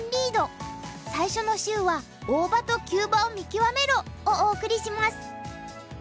最初の週は「大場と急場を見極めろ」をお送りします。